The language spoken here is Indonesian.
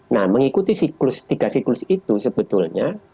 nah mengikuti siklus tiga siklus itu sebetulnya